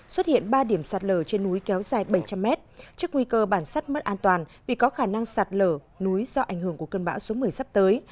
xuất hiện ba điểm sạt lở trên núi kéo dài bảy trăm linh mét trước nguy cơ bản sắt mất an toàn vì có khả năng sạt lở núi do ảnh hưởng của cơn bão số một mươi sắp tới